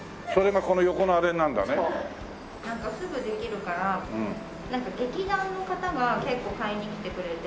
なんかすぐできるから劇団の方が結構買いに来てくれて。